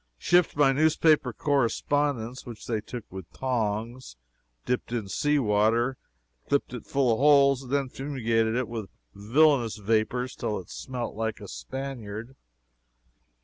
Shipped my newspaper correspondence, which they took with tongs, dipped it in sea water, clipped it full of holes, and then fumigated it with villainous vapors till it smelt like a Spaniard.